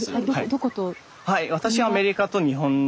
どこと。